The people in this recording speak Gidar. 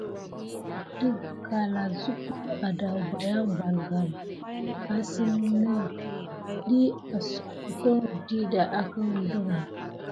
Də galazukum adawbayan balgam assani, diy askoke dida aka wuzlera.